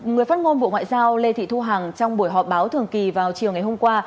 người phát ngôn bộ ngoại giao lê thị thu hằng trong buổi họp báo thường kỳ vào chiều ngày hôm qua